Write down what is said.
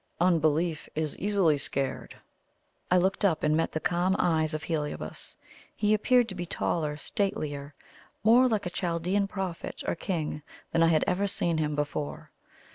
Unbelief is easily scared!" I looked up and met the calm eyes of Heliobas. He appeared to be taller, statelier, more like a Chaldean prophet or king than I had ever seen him before.